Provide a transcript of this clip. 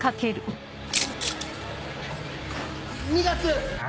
２月！